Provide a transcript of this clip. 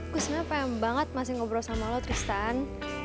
gua sebenernya pengen banget masih ngobrol sama lo tristan